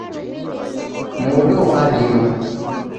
Modo ghwarima.